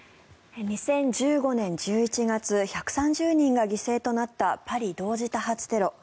２０１５年１１月１３０人が犠牲となったパリ同時多発テロ。